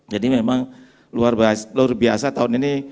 jadi memang luar biasa tahun ini